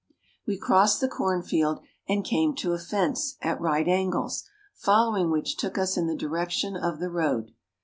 We crossed the cornfield and came to a fence, at right angles, following which took us in the direction of the road.